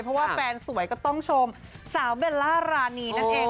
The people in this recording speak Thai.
เพราะว่าแฟนสวยก็ต้องชมสาวเบลล่ารานีนั่นเอง